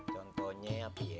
contohnya apa ya